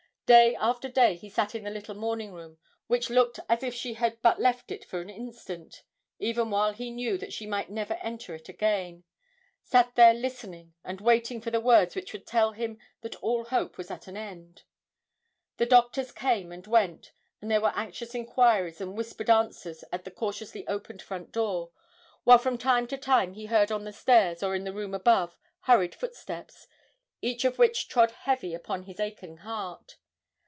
Day after day he sat in the little morning room, which looked as if she had but left it for an instant, even while he knew that she might never enter it again; sat there listening and waiting for the words which would tell him that all hope was at an end. The doctors came and went, and there were anxious inquiries and whispered answers at the cautiously opened front door, while from time to time he heard on the stairs, or in the room above, hurried footsteps, each of which trod heavy upon his aching heart.